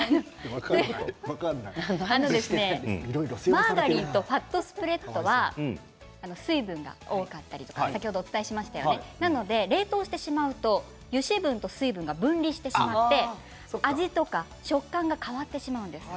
マーガリンとファットスプレッドは水分が多かったりなので冷凍してしまうという油脂分と水分が分離してしまって味や食感が変わってしまうんです。